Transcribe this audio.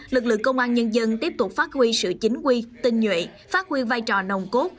lực lượng công an nhân dân tiếp tục phát huy sự chính quy tinh nhuệ phát huy vai trò nồng cốt